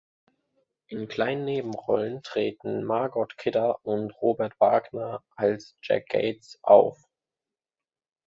In kleinen Nebenrollen treten Margot Kidder und Robert Wagner (als Jack Gates) auf.